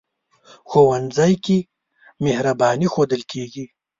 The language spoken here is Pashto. ښوونځی کې مهرباني ښودل کېږي